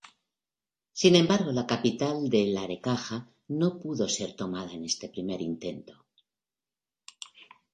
Sin embargo la capital de Larecaja no pudo ser tomada en este primer intento.